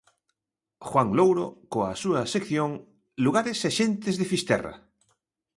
Juan Louro coa súa sección "Lugares e xentes de Fisterra".